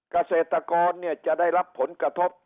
เกษตรกรจะได้รับผลกระทบ